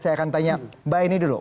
saya akan tanya mbak eni dulu